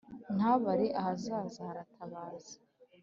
Ntabare ahazaza haratabaza